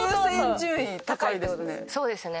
そうですね。